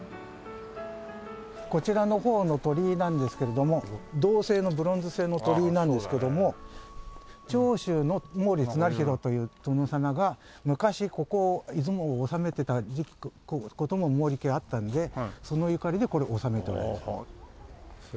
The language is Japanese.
こちらの方の鳥居なんですけれども銅製のブロンズ製の鳥居なんですけども長州の毛利綱広という殿様が昔ここを出雲を治めてた事も毛利家あったのでそのゆかりでこれ納めたんだそうです。